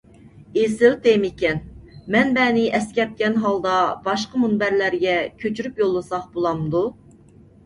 ئېسىل تېما ئىكەن. مەنبەنى ئەسكەرتكەن ھالدا باشقا مۇنبەرلەرگە كۆچۈرۈپ يوللىساق بولامدۇ؟